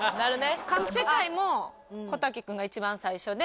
カンペ回も小瀧君が一番最初で。